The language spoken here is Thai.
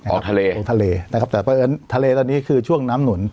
ทะเลออกทะเลนะครับแต่เพราะฉะนั้นทะเลตอนนี้คือช่วงน้ำหนุน